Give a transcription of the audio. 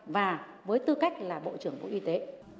và với tư cách là bộ trưởng bộ y tế